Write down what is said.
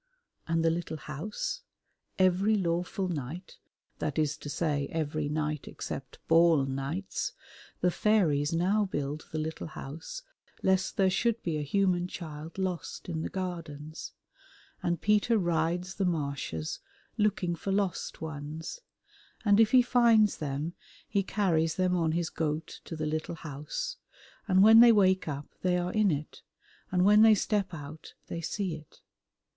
And the little house? Every lawful night (that is to say, every night except ball nights) the fairies now build the little house lest there should be a human child lost in the Gardens, and Peter rides the marshes looking for lost ones, and if he finds them he carries them on his goat to the little house, and when they wake up they are in it and when they step out they see it.